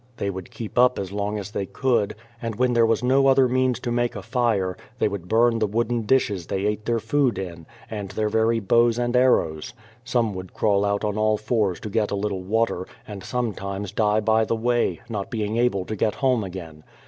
They would keep up as long as they could, and when there was no other means to make a fire, they would burn the wooden dishes they ate their food in, and their very bows and arrows. Some would crawl out on all fours to get a little water, and sometimes die by the way, not being able to get home again.